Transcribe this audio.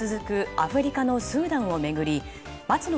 アフリカのスーダンを巡り松野